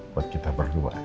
buat kita berdua